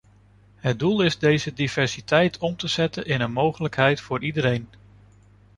Het doel is deze diversiteit om te zetten in een mogelijkheid voor iedereen.